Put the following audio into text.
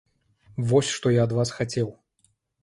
Вось што я ад вас хацеў!